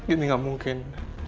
ini gak mungkin